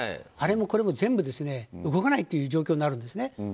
あれもこれも全部動かないという状況になるんです。